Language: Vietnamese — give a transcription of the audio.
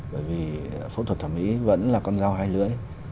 bởi vì phẫu thuật thẩm mỹ vẫn là con dao hai lưỡi